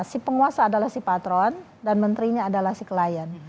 si penguasa adalah si patron dan menterinya adalah si klien